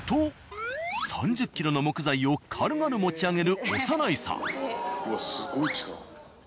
と３０ｋｇの木材を軽々持ち上げる長内さん。